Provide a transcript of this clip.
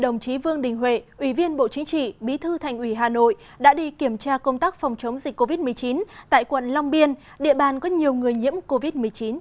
đồng chí vương đình huệ ủy viên bộ chính trị bí thư thành ủy hà nội đã đi kiểm tra công tác phòng chống dịch covid một mươi chín tại quận long biên địa bàn có nhiều người nhiễm covid một mươi chín